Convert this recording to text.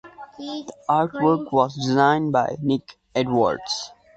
The artwork was designed by Nick Edwards.